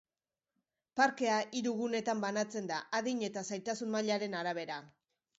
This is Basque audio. Parkea hiru gunetan banatzen da, adin eta zailtasun mailaren arabera.